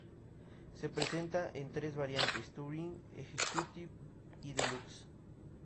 Se presenta en tres variantes, Touring, Executive y Deluxe.